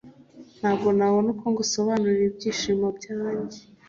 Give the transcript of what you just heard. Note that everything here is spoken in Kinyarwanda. ntago ntabona uko ngusobanurira ibyishimo byanjye.